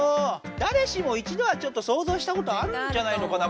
だれしも一度はちょっと想像したことあるんじゃないのかな